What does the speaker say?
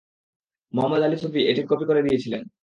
মুহাম্মদ আলী সূফী এটির কপি করে দিয়েছিলেন।